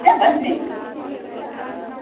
بس مرور له سولي ښه یو پخلا نه سمیږو ,